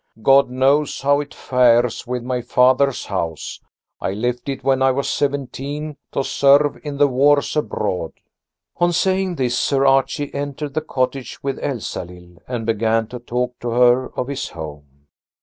God knows how it fares with my father's house. I left it when I was seventeen to serve in the wars abroad." On saying this Sir Archie entered the cottage with Elsalill and began to talk to her of his home.